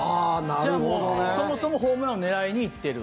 じゃあ、そもそもホームランを狙いにいってる。